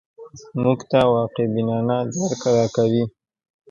موږ ته واقع بینانه درک راکوي